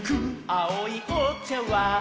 「あおいおちゃわん」